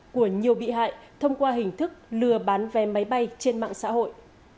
của nhiều bị hại thông qua hình thức lừa bán vé máy bay trên mạng xã hội